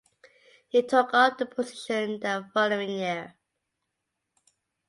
He took up the position the following year.